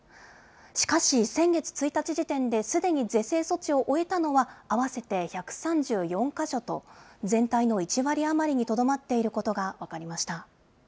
しかし先月１日時点ですでに是正措置を終えたのは、合わせて１３４か所と、全体の１割余りにとどまっていることが分かりました。